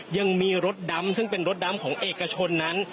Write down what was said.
ยังมีรถดำซึ่งเป็นรถดำของเอกชนนั้น